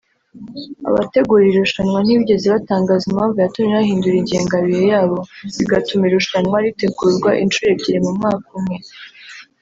Abategura iri rushanwa ntibigeze batangaza impamvu yatumye bahindura ingengabihe yabo bigatuma irushanwa ritegurwa inshuro ebyiri mu mwaka umwe